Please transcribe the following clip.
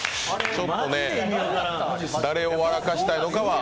ちょっとね、誰を笑かしたいのかは。